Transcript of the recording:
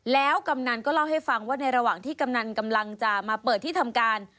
แล้วกำนันก็เล่าให้ฟังว่าในระหว่างที่กำนันกำลังจะมาเปิดที่ทำการ